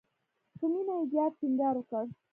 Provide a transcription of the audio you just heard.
په مینه یې زیات ټینګار وکړ.